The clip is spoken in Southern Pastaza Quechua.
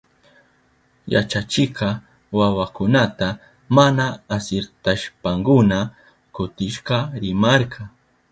Yachachikka wawakunata mana asirtashpankuna kutikashka rimarka.